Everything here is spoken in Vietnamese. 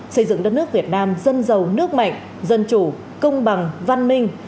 xây dựng đất nước việt nam dân giàu nước mạnh dân chủ công bằng văn minh